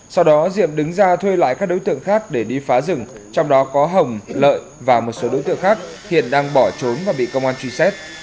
sau đó diệm đứng ra thuê lại các đối tượng khác để đi phá rừng trong đó có hồng lợi và một số đối tượng khác hiện đang bỏ trốn và bị công an truy xét